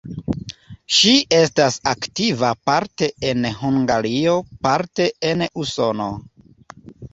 Ŝi estas aktiva parte en Hungario, parte en Usono.